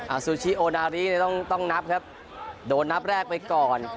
อาซูชิโอนารีต้องนับครับโดนนับแรกไปก่อน